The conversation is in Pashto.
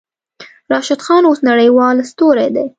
راشد خان اوس نړۍوال ستوری دی.